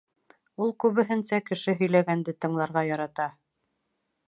Ул күбеһенсә кеше һөйләгәнде тыңларға ярата.